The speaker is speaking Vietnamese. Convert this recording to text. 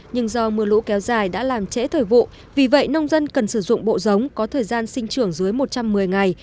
nhưng do mưa lũ kéo dài đã làm trễ thời vụ vì vậy nông dân cần sử dụng bộ giống có thời gian sinh trưởng dưới một trăm một mươi ngày